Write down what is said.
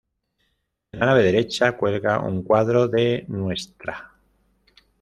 En la nave derecha cuelga un cuadro de Ntra.